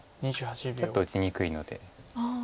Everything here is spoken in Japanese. ちょっと打ちにくいので。